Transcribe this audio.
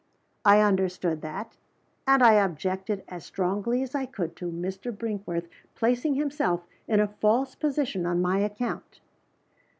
"I understood that; and I objected as strongly as I could to Mr. Brinkworth placing himself in a false position on my account."